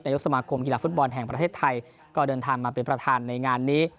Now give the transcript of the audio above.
ยกสมาคมกีฬาฟุตบอลแห่งประเทศไทยก็เดินทางมาเป็นประธานในงานนี้